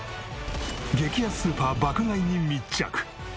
激安スーパー爆買いに密着！